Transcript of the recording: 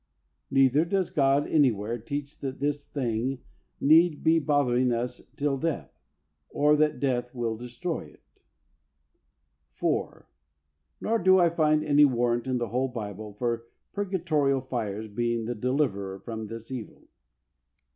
Neither does God anywhere teach that this thing need be bothering us till death, or that death will destroy it. 4. Nor do I find any warrant in the whole Bible for purgatorial fires being the deliverer from this evil. 5.